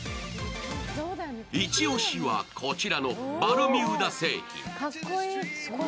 イチ押しはこちらのバルミューダ製品。